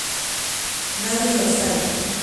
Nadie lo sabe.